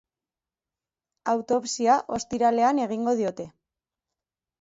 Autopsia ostiralean egingo diote.